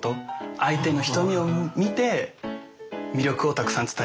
相手の瞳を見て魅力をたくさん伝える。